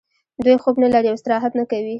دوی خوب نلري او استراحت نه کوي